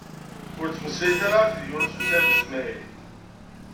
Ur ttmeslayet ara akked Yunes u Saɛid u Smaɛil.